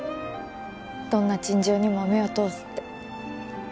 どんな陳情にも目を通すって。